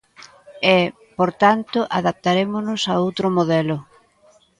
E, por tanto, adaptarémonos a outro modelo.